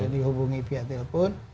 dihubungi via telepon